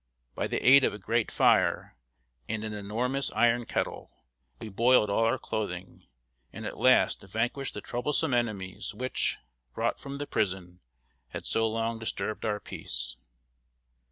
By the aid of a great fire, and an enormous iron kettle, we boiled all our clothing, and at last vanquished the troublesome enemies which, brought from the prison, had so long disturbed our peace.